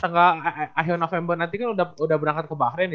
tengah akhir november nanti kan udah berangkat ke bahrein nih